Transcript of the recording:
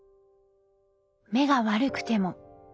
目が悪くても。